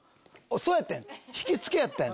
そうやってん引きつけやってん。